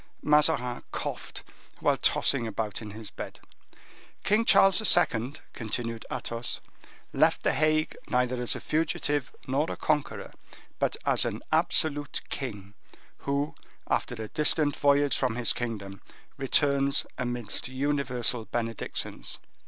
Mazarin coughed while tossing about in his bed. "King Charles II.," continued Athos, "left the Hague neither as a fugitive nor a conqueror, but as an absolute king, who, after a distant voyage from his kingdom, returns amidst universal benedictions."